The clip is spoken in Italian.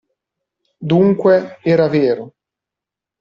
Dunque, era vero!